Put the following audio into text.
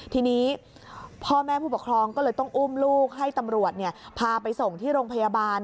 ทีนี้พ่อแม่ผู้ปกครองก็เลยต้องอุ้มลูกให้ตำรวจพาไปส่งที่โรงพยาบาล